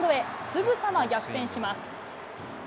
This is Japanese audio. すぐさま逆転します。